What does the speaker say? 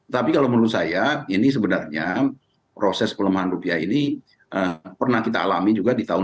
tapi kalau menurut saya ini sebenarnya proses pelemahan rupiah ini pernah kita alami juga di tahun dua ribu dua